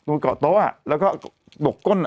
มือก่อโต๊ะอะแล้วก็ดกก้นอะ